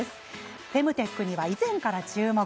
フェムテックには以前から注目。